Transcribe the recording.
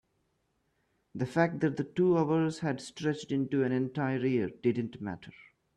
the fact that the two hours had stretched into an entire year didn't matter.